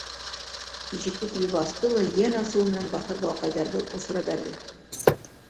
Ишекте тибеп асты ла йән асыуы менән бахыр балаҡайҙарҙы осора бәрҙе.